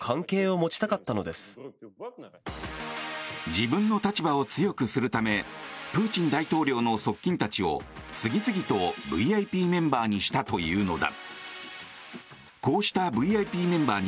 自分の立場を強くするためプーチン大統領の側近たちを次々とＶＩＰメンバーにしたというのだ。